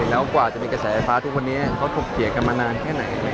แล้วกว่าจะมีกระแสไฟฟ้าทุกวันนี้เขาถกเถียงกันมานานแค่ไหน